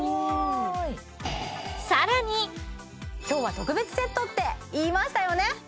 今日は特別セットって言いましたよね